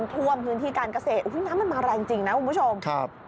ท่วมพื้นที่การเกษตรน้ำมันมาแรงจริงนะคุณผู้ชมครับ